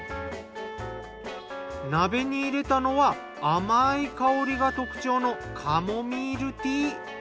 鍋に入れたのは甘い香りが特徴のカモミールティー。